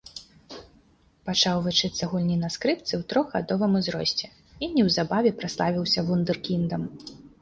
Пачаў вучыцца гульні на скрыпцы ў трохгадовым узросце і неўзабаве праславіўся вундэркіндам.